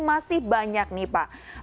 masih banyak nih pak